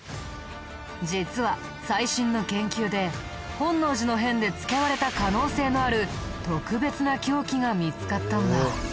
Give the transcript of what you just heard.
実は最新の研究で本能寺の変で使われた可能性のある特別な凶器が見つかったんだ。